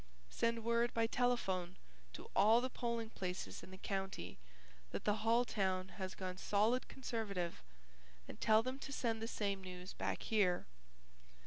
Send word by telephone to all the polling places in the county that the hull town has gone solid Conservative and tell them to send the same news back here.